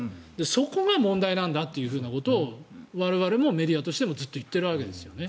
そこが問題なんだということを我々もメディアとしてもそういうことですよね。